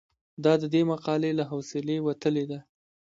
دا د دې مقالې له حوصلې وتلې ده.